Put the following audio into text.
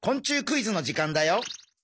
クイズの時間だよ。